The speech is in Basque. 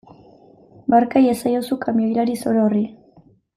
Barka iezaiozu kamioilari zoro horri.